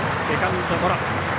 セカンドゴロ。